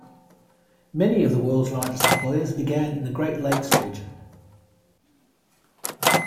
Many of the world's largest employers began in the Great Lakes region.